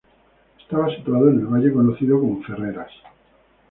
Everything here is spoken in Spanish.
Estaba situado en el valle conocido como Ferreras.